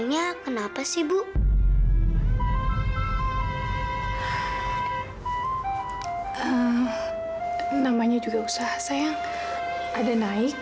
ini kamu sendiri yang masak